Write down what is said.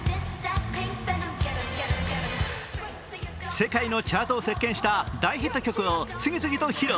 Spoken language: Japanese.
世界のチャートを席けんした大ヒット曲を次々と披露。